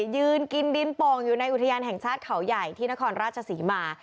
ยืนกินดินโป่งอยู่ในอุทยานแห่งชาติเขาใหญ่ที่นครราชศรีมา